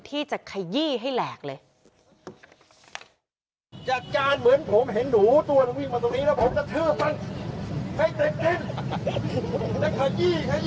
ที่จะขยี้ให้แหลกเลย